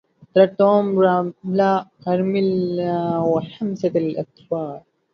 ترك توم ورائه ارملة وخمسة أطفال.